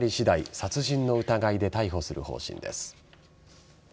殺人の疑いで逮捕する方針です。